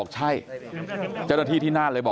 กลุ่มตัวเชียงใหม่